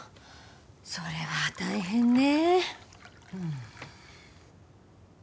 それは大変ね。